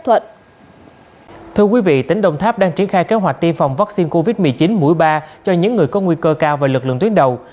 thưa quý vị tỉnh đồng tháp đang triển khai kế hoạch tiêm phòng vaccine covid một mươi chín mũi ba cho những người có nguy cơ cao và lực lượng tuyến đầu